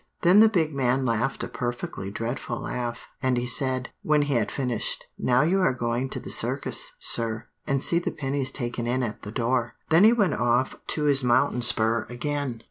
Then the big man laughed a perfectly dreadful laugh; and he said, when he had finished, 'Now you are going to the Circus, sir, and see the pennies taken in at the door.' Then he went off up to his mountain spur again.